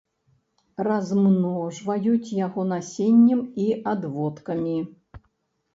Размножваюць яго насеннем і адводкамі.